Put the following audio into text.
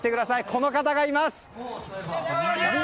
この方がいます